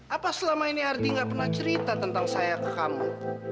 apa selama ini ardi nggak pernah cerita tentang saya ke kamu